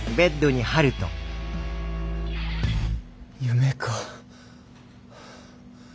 夢か。